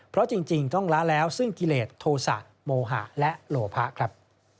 เพราะจริงต้องล้าแล้วซึ่งกิเลสโทสะโมหะและโลพะครับ